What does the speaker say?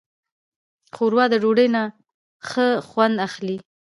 ښوروا د ډوډۍ نه ښه خوند اخلي.